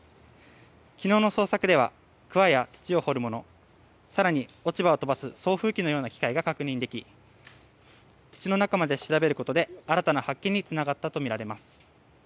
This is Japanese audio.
昨日の捜索ではくわや土を掘るもの更に、落ち葉を飛ばす送風機のような機械が確認でき土の中まで調べることで新たな発見につながったとみられます。